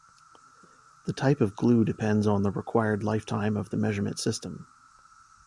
The type of glue depends on the required lifetime of the measurement system.